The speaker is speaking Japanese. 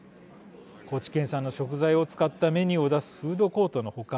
高知県産の食材を使ったメニューを出すフードコートの他